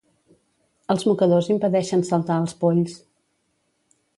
Els mocadors impedeixen saltar als polls